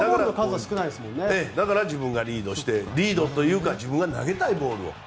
だから、自分がリードというか自分が投げたいボールを。